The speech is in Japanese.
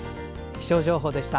気象情報でした。